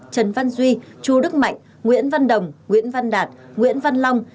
trần văn duy chu đức mạnh nguyễn văn đồng nguyễn văn đạt nguyễn văn long